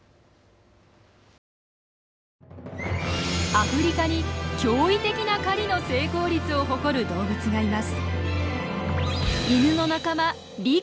アフリカに驚異的な狩りの成功率を誇る動物がいます。